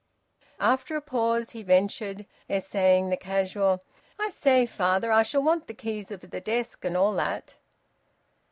After a pause, he ventured, essaying the casual "I say, father, I shall want the keys of the desk, and all that."